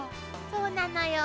そうなのよ。